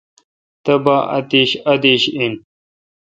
تبا اتیش ادیش این۔